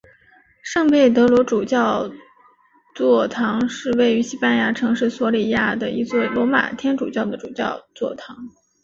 圣佩德罗主教座堂是位于西班牙城市索里亚的一座罗马天主教的主教座堂。